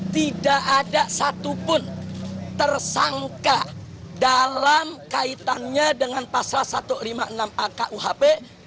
tidak ada satupun tersangka dalam kaitannya dengan pasal satu ratus lima puluh enam a kuhp